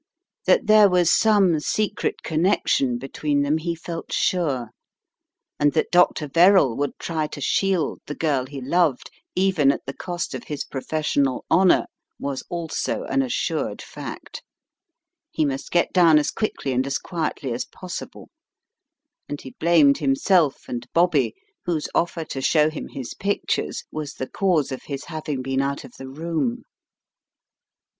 That there was some secret connection between them he felt sure, and that Dr. Verrall would try to shield the girl he loved, even at the cost of his pro fessional honour, was also an assured fact. He must get down as quickly and as quietly as possible, and he blamed himself and Bobby, whose offer to show him his pictures was the cause of his having been out of the room.